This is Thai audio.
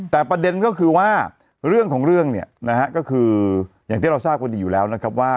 แต่ประเด็นก็คือว่าเรื่องของเรื่องเนี่ยนะฮะก็คืออย่างที่เราทราบกันดีอยู่แล้วนะครับว่า